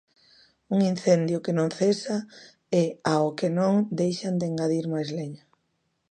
Un incendio que non cesa e ao que non deixan de engadir máis leña.